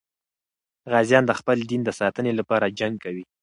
غازیان د خپل دین د ساتنې لپاره جنګ کوي.